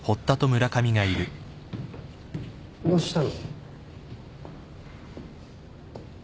どうしたの？